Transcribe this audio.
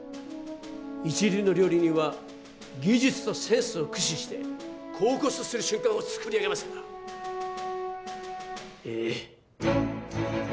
一流の料理人は技術とセンスを駆使して恍惚とする瞬間をつくり上げますからええ